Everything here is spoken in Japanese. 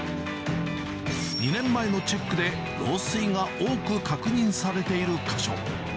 ２年前のチェックで、漏水が多く確認されている箇所。